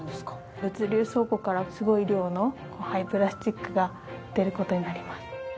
物流倉庫からすごい量の廃プラスチックが出る事になります。